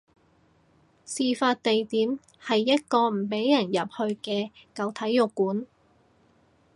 事發地點係一個唔俾入去嘅舊體育館